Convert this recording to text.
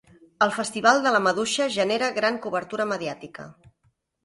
El Festival de la Maduixa genera gran cobertura mediàtica.